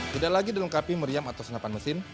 tidak lagi dilengkapi meriam atau senapan mesin